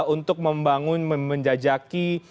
untuk membangun menjajaki